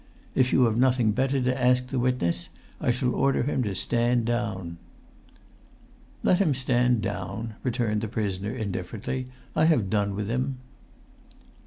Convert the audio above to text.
If you have nothing better to ask the witness I shall order him to stand down." "Let him stand down," returned the prisoner, indifferently. "I have done with him."